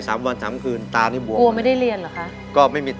สวัสดีครับ